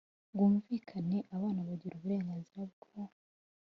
bwumvikane abana bagira uburenganzira bwo